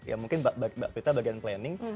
ya mungkin mbak vita bagian planning